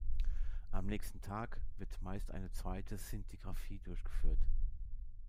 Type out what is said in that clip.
Am nächsten Tag wird meist eine zweite Szintigrafie durchgeführt.